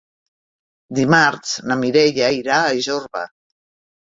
Dimarts na Mireia irà a Jorba.